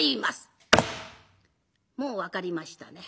もう分かりましたね。